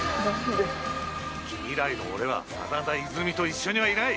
未来の俺は真田和泉とは一緒にいない。